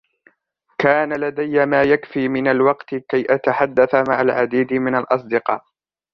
كان لدي ما يكفي من الوقت كي أتحدث مع العديد من الأصدقاء.